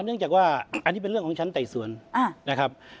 เนื่องจากว่าอันนี้เป็นเรื่องของชั้นไต่สวนนะครับ